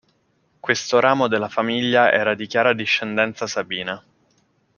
Questo ramo della famiglia era di chiara discendenza sabina.